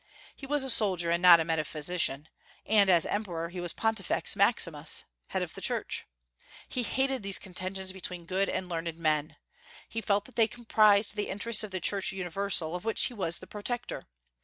He was a soldier, and not a metaphysician; and, as Emperor, he was Pontifex Maximus, head of the Church. He hated these contentions between good and learned men. He felt that they compromised the interests of the Church universal, of which he was the protector.